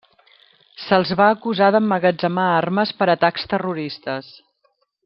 Se'ls va acusar d'emmagatzemar armes per atacs terroristes.